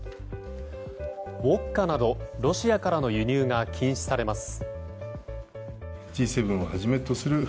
ウォッカなどロシアからの輸入が禁止されます。